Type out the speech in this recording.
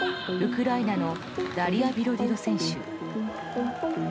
ウクライナのダリア・ビロディド選手。